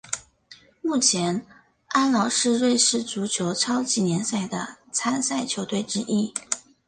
目前阿劳是瑞士足球超级联赛的参赛球队之一。